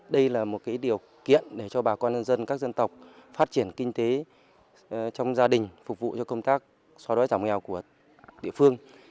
đây là một điều kiện để cho bà con nhân dân các dân tộc phát triển kinh tế trong gia đình phục vụ cho công tác so đói giảm nghèo của địa phương